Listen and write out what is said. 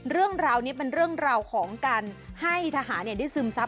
เรื่องราวนี้เป็นเรื่องราวของการให้ทหารได้ซึมซับ